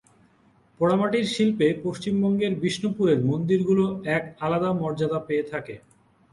পোড়ামাটির শিল্পে পশ্চিমবঙ্গের বিষ্ণুপুরের মন্দিরগুলো এক আলাদা মর্যাদা পেয়ে থাকে।